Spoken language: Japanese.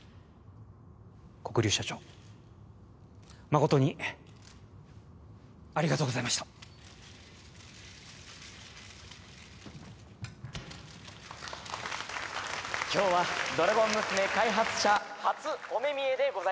黒龍社長まことにありがとうございました今日は「ドラゴン娘」開発者初お目見えでございます